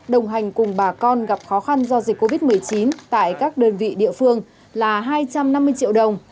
đồng hành cùng bà con gặp khó khăn do dịch covid một mươi chín tại các đơn vị địa phương là hai trăm năm mươi triệu đồng